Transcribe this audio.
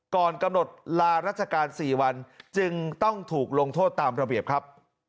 ก่อนกำหนดลาราชการ๔วันจึงต้องถูกลงโทษตามระเบียบครับ